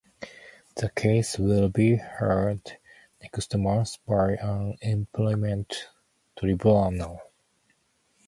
The case will be heard next month by an employment tribunal.